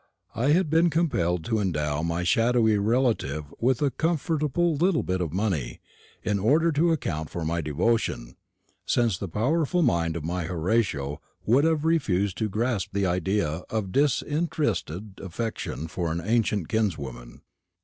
I had been compelled to endow my shadowy relative with a comfortable little bit of money, in order to account for my devotion; since the powerful mind of my Horatio would have refused to grasp the idea of disinterested affection for an ancient kinswoman.